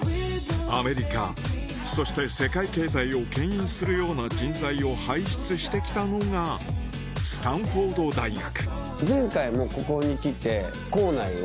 アメリカそして世界経済を牽引するような人材を輩出してきたのがスタンフォード大学